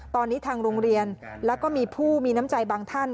ตอนนี้ทางโรงเรียนแล้วก็มีผู้มีน้ำใจบางท่าน